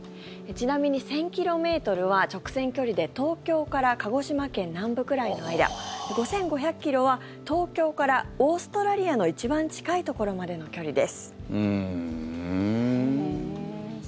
ちなみに１０００ｋｍは直線距離で東京から鹿児島県南部ぐらいの間５５００ｋｍは東京からオーストラリアの一番近いところまでの距離です。ふーん。